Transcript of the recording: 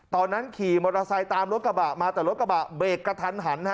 ขี่มอเตอร์ไซค์ตามรถกระบะมาแต่รถกระบะเบรกกระทันหัน